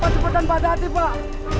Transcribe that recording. cepetan pada hati pak